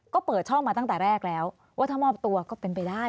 ก็เปิดช่องมาตั้งแต่แรกแล้วว่าถ้ามอบตัวก็เป็นไปได้